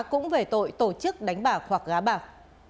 cũng về tội tổ chức đánh bạc hoặc gá bạc